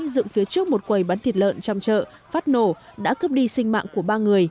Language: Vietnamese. dựng phía trước một quầy bán thịt lợn trong chợ phát nổ đã cướp đi sinh mạng của ba người